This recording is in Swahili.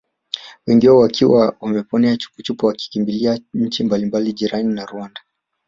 Wengi wao wakiwa Wameponea chupuchupu walikimbilia nchi mbalimbali jirani na Rwanda